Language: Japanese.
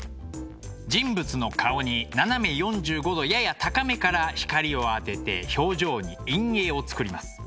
人物の顔に斜め４５度やや高めから光を当てて表情に陰影を作ります。